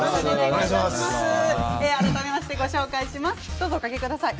どうぞ、おかけください。